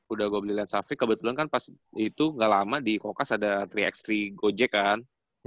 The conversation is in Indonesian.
udah gua beli lensa fic kebetulan kan pas itu gak lama di kokas ada tiga x tiga gojek kan